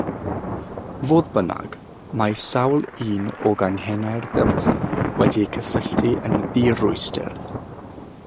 Fodd bynnag, mae sawl un o ganghennau'r delta wedi eu cysylltu yn ddirwystr.